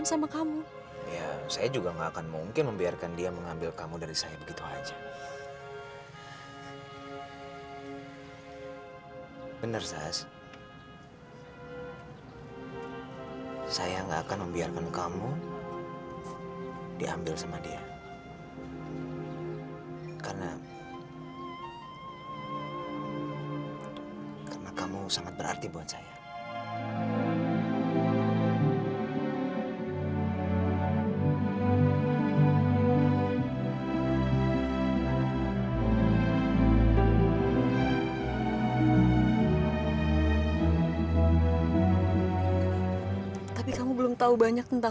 sampai jumpa di video selanjutnya